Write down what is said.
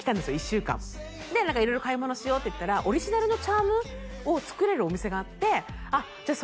１週間で何か色々買い物しようって行ったらオリジナルのチャームを作れるお店があってあっじゃあ